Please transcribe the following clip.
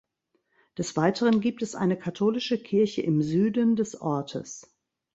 Des Weiteren gibt es eine katholische Kirche im Süden des Ortes.